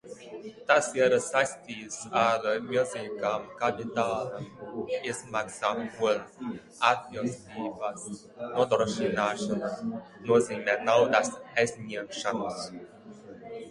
Tas ir saistīs ar milzīgām kapitāla izmaksām, un atbilstības nodrošināšana nozīmē naudas aizņemšanos.